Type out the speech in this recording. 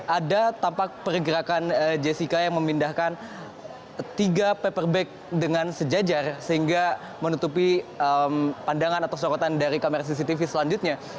ada tampak pergerakan jessica yang memindahkan tiga paper bag dengan sejajar sehingga menutupi pandangan atau sorotan dari kamera cctv selanjutnya